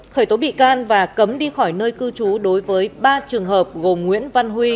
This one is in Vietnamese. khởi tố bị can và cấm đi khỏi nơi cư trú đối với ba trường hợp gồm nguyễn văn huy